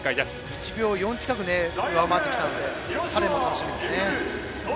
１秒４近く上回ってきたので彼も楽しみです。